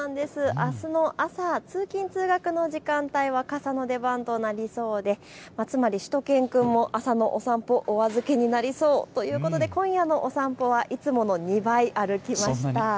あすの朝、通勤通学の時間帯は傘の出番となりそうでつまり、しゅと犬くんも朝の散歩、お預けになりそうということで今夜のお散歩はいつもの２倍歩きました。